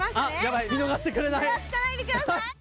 グラつかないでください。